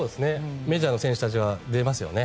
メジャーの選手たちが出ますよね。